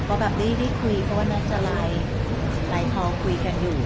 ก็แบบไม่ได้คุยเพราะว่านับจะไลฟ์ไลฟ์คอกุยกันอยู่